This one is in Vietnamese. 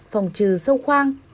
phòng trừ sâu khoang